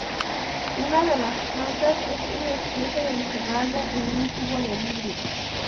Una de las plantas es un esqueje, encerrado en un tubo de vidrio.